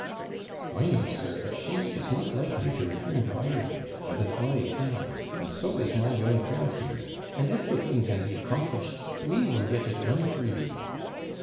'I know, sir, that she is not likely to return to Ireland, and that I am; and so is my young friend here; and if the thing can be accomplished, we will get it done for you.'